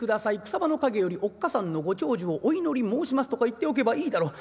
草葉の陰よりおっ母さんのご長寿をお祈り申しますとか言っておけばいいだろう」。